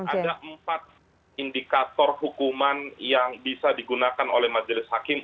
ada empat indikator hukuman yang bisa digunakan oleh majelis hakim